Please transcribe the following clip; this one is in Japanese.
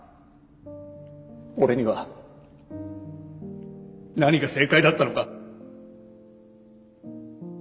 俺には何が正解だったのか。